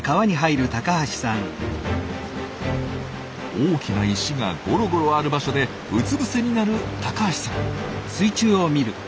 大きな石がゴロゴロある場所でうつ伏せになる高橋さん。